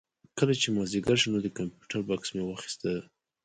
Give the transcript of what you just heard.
کله چې مازدیګر شو نو د کمپیوټر بکس مې واخېست.